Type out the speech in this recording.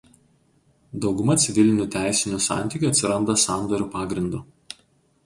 Dauguma civilinių teisinių santykių atsiranda sandorių pagrindu.